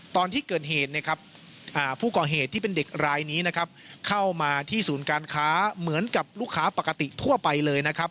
ตอนที่เกิดเหตุผู้ก่อเหตุที่เป็นเด็กรายนี้เข้ามาที่สูญการค้าเหมือนกับลูกค้าปกติทั่วไปเลย